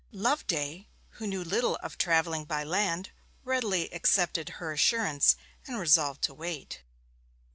Loveday, who knew little of travelling by land, readily accepted her assurance and resolved to wait.